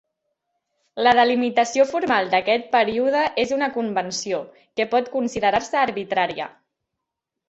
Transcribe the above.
La delimitació formal d'aquest període és una convenció, que pot considerar-se arbitrària.